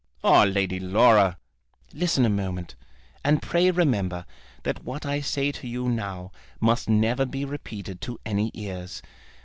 "Oh, Lady Laura!" "Listen a moment. And pray remember that what I say to you now must never be repeated to any ears.